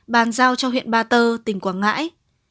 bàn giao cho huyện ba tơ tỉnh quảng ngãi